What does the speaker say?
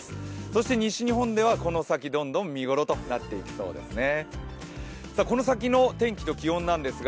そして西日本ではこの先どんどん見頃となっていきそうですね。